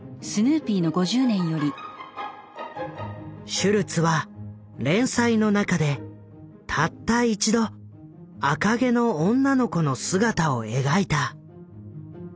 シュルツは連載の中でたった一度赤毛の女の子の姿を描いた。